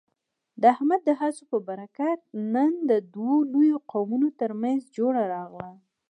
د احمد د هڅو په برکت، نن د دوو لویو قومونو ترمنځ جوړه راغله.